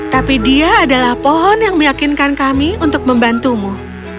tapi dia adalah pohon yang meyakinkan kami untuk membantumu